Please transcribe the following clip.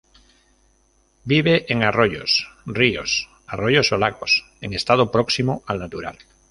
Vive en arroyos, ríos, arroyos o lagos en estado próximo al natural.